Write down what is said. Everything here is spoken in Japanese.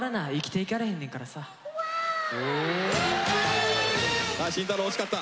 俺慎太郎惜しかった。